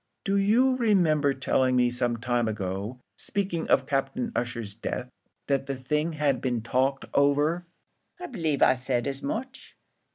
"Do you remember telling me some time ago, speaking of Captain Ussher's death, that the thing had been talked over?" "I b'lieve I said as much."